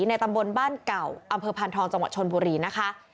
ในตำบลบ้านเก่าอำเภอพานทองจังหวัดชนบุรีนะคะ